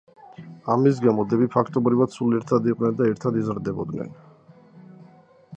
ამის გამო დები ფაქტობრივად სულ ერთად იყვნენ და ერთად იზრდებოდნენ.